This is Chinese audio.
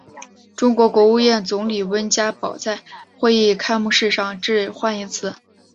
中国国务院总理温家宝在会议开幕式上致欢迎辞。